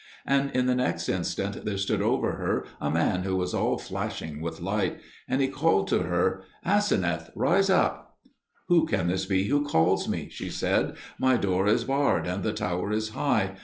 And in the next instant there stood over her a man who was all flashing with light; and he called to her, "Aseneth, rise up." "Who can this be who calls me?" she said; "my door is barred and the tower is high.